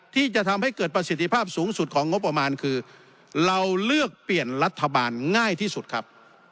ที่จะทำให้เกิดประสิทธิภาพสูงสุดของงบประมาณคือเราเลือกเปลี่ยนรัฐบาลง่ายที่สุดครับ